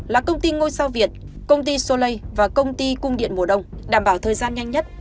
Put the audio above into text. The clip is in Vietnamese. là công ty ngôi sao việt công ty solei và công ty cung điện mùa đông đảm bảo thời gian nhanh nhất